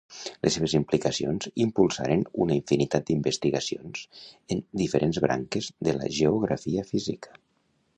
Les seves implicacions impulsaren una infinitat d'investigacions en diferents branques de la geografia física.